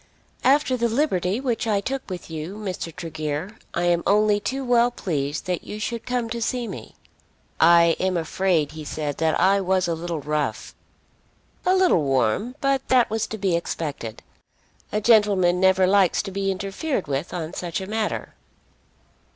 "After the liberty which I took with you, Mr. Tregear, I am only too well pleased that you should come to see me." "I am afraid," he said, "that I was a little rough." "A little warm; but that was to be expected. A gentleman never likes to be interfered with on such a matter."